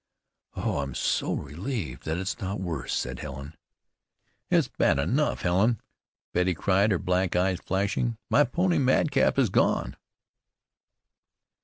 "Oh, I'm so relieved that it's not worse," said Helen. "It's bad enough, Helen," Betty cried, her black eyes flashing, "my pony Madcap is gone."